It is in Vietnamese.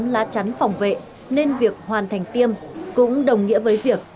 đây là tấm lá chắn phòng vệ nên việc hoàn thành tiêm cũng đồng nghĩa với việc